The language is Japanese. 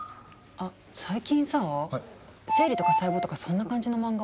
あっ最近さぁ生理とか細胞とかそんな感じの漫画多くない？